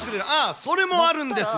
それもあるんですが。